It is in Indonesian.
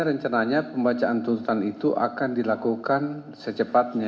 rencananya pembacaan tuntutan itu akan dilakukan secepatnya